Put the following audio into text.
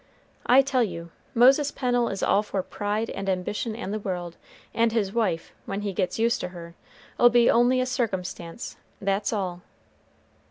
I tell you, Moses Pennel is all for pride and ambition and the world; and his wife, when he gets used to her, 'll be only a circumstance, that's all."